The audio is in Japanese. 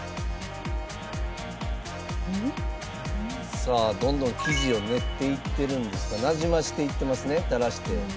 さあどんどん生地を練っていってるなじましていってますね垂らして。